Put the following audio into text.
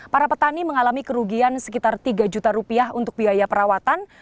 para petani mengalami kerugian sekitar tiga juta rupiah untuk biaya perawatan